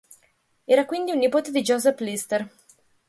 Era quindi un nipote di Joseph Lister.